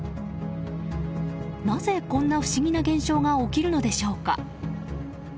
なぜ、こんな不思議な現象が起きるのでしょうか。